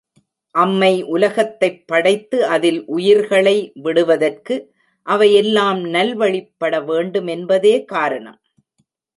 அம்மை உலகத்தைப் படைத்து அதில் உயிர்களை விடுவதற்கு, அவை எல்லாம் நல்வழிப்பட வேண்டுமென்பதே காரணம்.